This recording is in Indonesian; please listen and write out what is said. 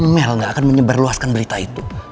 mel gak akan menyebarluaskan berita itu